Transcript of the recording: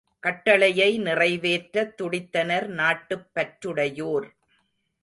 கட்டளையை நிறைவேற்ற துடித்தனர் நாட்டுப்பற்றுடையோர்.